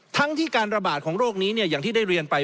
ทั้งที่การระบาดของโรคนี้อย่างที่ได้เรียนไป